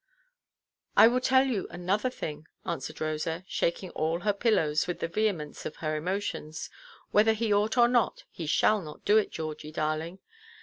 "I will tell you another thing," answered Rosa, shaking all her pillows with the vehemence of her emotions, "whether he ought or not, he shall not do it, Georgie, darling.